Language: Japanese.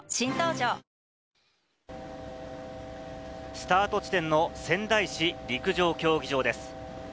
スタート地点の仙台市陸上競技場です。